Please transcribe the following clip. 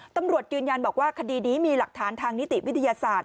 ตำรวจยืนยันบอกว่าคดีนี้มีหลักฐานทางนิติวิทยาศาสตร์